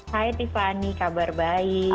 hai tiffany kabar baik